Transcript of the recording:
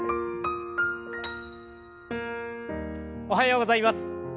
おはようございます。